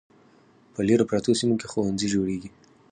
په لیرې پرتو سیمو کې ښوونځي جوړیږي.